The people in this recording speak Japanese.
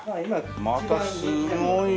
またすごいね。